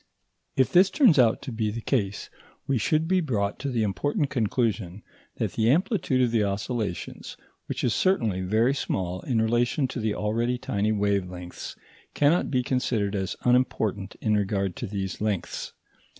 If this turns out to be the case, we should be brought to the important conclusion that the amplitude of the oscillations, which is certainly very small in relation to the already tiny wave lengths, cannot be considered as unimportant in regard to these lengths.